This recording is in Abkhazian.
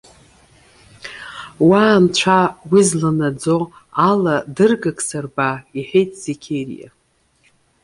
Уа, Анцәа! уи зланаӡо ала дыргак сырба,- иҳәеит Зеқьериа.